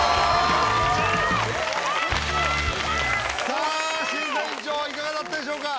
さあ審査委員長いかがだったでしょうか？